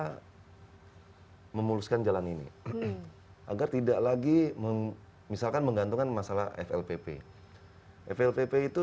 hai memuluskan jalan ini agar tidak lagi memisahkan menggantungkan masalah flpp flpp itu